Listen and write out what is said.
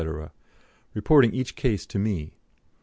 reporting each case to me.